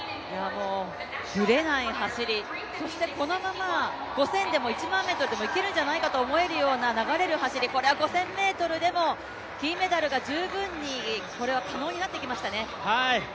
ブレない走り、そしてこのまま５０００ｍでも１００００ｍでもいけるんじゃないかと思える流れる走り、これは５０００ｍでも金メダルが十分に可能になってきましたね。